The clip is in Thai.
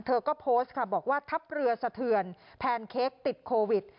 เธอก็โพสต์ค่ะบอกว่าทัพเรือสะเทือนแพนเค้กติดโควิด